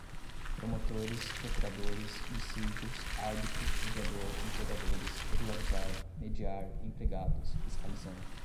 promotores, procuradores, dissídios, árbitro, mediador, empregadores, regularizar, mediar, empregados, fiscalizando